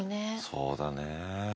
そうだね。